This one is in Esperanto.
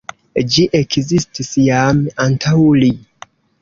Ĝi ekzistis jam antaŭ li.